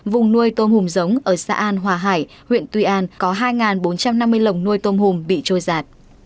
vùng nuôi tôm hùm giống ở xã an hòa hải huyện tuy an có hai bốn trăm năm mươi lồng nuôi tôm hùm bị trôi giạt